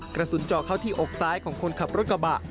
กระสุนเจาะเข้าที่อกซ้ายของคนขับรถกระบะ